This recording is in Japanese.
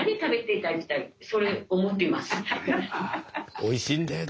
おいしいんだよね